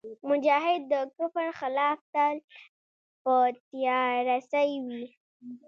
مجاهد د کفر خلاف تل په تیارسئ وي.